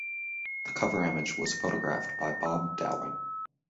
The cover image was photographed by Bob Dowling.